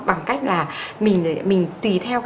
bằng cách là mình tùy theo